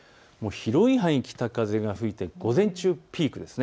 広い範囲、北風が吹いて午前中、ピークです。